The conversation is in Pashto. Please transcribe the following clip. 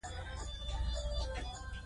هغه د خپلو عسکرو ملاتړ ته اړتیا لري.